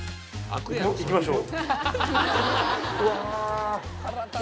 行きましょう。